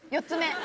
４つ目。